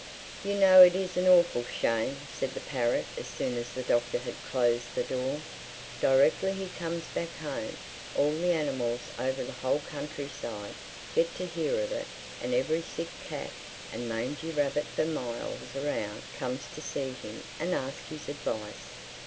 "You know it is an awful shame," said the parrot as soon as the Doctor had closed the door. "Directly he comes back home, all the animals over the whole countryside get to hear of it and every sick cat and mangy rabbit for miles around comes to see him and ask his advice.